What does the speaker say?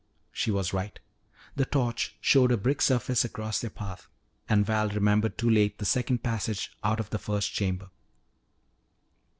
She was right. The torch showed a brick surface across their path, and Val remembered too late the second passage out of the first chamber.